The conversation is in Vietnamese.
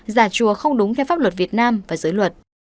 giả chùa không đúng theo pháp luật việt nam và giới luật